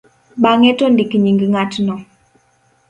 bang'e to ndik nying' ng'atno